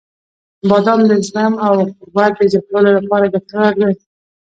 • بادام د زغم او قوت د زیاتولو لپاره ګټور دی.